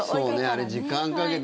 あれ、時間かけて。